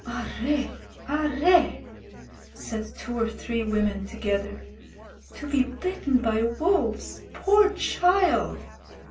"Arre! Arre!" said two or three women together. "To be bitten by wolves, poor child!